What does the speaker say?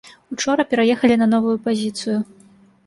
Учора пераехалі на новую пазіцыю.